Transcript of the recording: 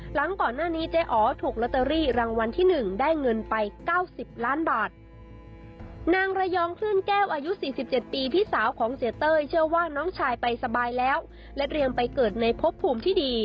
หลังก่อนหน้านี้เจ๊อ๋อถูกลอเตอรี่รางวัลที่๑ได้เงินไป๙๐ล้านบาท